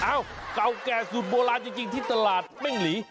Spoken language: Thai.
เอ้าเก่าแก่สูตรโบราณจริงที่ตลาดเบ้งหลี